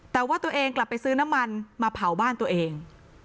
แต่ว่าตัวเองกลับไปซื้อน้ำมันมาเผาบ้านตัวเอง